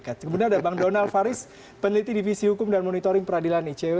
kemudian ada bang donald faris peneliti divisi hukum dan monitoring peradilan icw